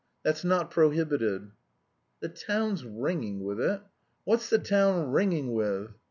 That's not prohibited." "The town's ringing with it? What's the town ringing with?"